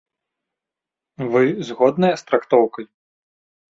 Вы згодныя з трактоўкай?